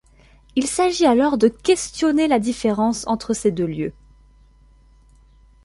Il s'agit alors de questionner la différence entre ces deux lieux.